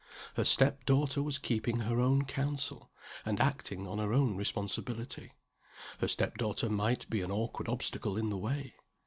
Her step daughter was keeping her own counsel, and acting on her own responsibility her step daughter might be an awkward obstacle in the way.